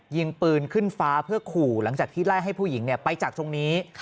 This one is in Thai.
ยิงปืนขึ้นฟ้าเพื่อขู่หลังจากที่ไล่ให้ผู้หญิงไปจากตรงนี้